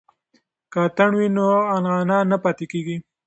که اتڼ وي نو عنعنه نه پاتې کیږي.